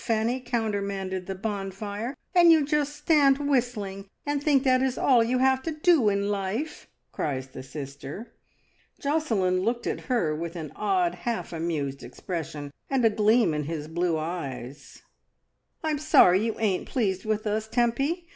1 33 Fanny countermanded the bonfire, and you just stand whistling, and think that is all you have to do in life," cries the sister. Josselin looked at her with an odd half amused expression, and a gleam in his blue eyes. "Fm sorry you ain't pleased with us, Tempy.